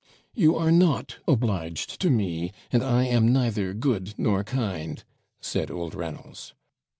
'You are not obliged to me, and I am neither good nor kind,' said old Reynolds.